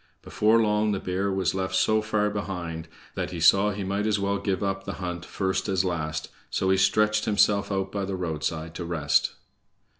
Before long the bear was left so far behind that he saw he might as well give up the hunt first as last, so he stretched himself out by the roadside to rest.